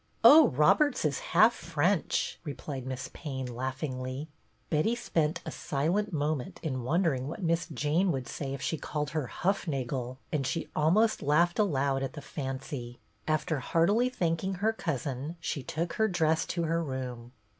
" Oh, Roberts is half French," replied Miss Payne, laughingly. Betty spent a silent moment in wondering what Miss Jane would say if she called her " Hufnagel," and she almost laughed aloud at the fancy. After heartily thanking her cousin she took her dress to her room.